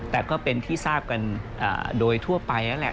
แต่ก็เป็นที่ทราบกันโดยทั่วไปแล้วแหละ